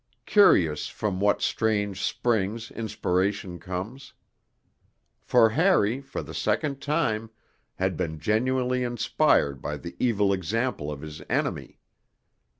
Curious from what strange springs inspiration comes. For Harry, for the second time, had been genuinely inspired by the evil example of his enemy.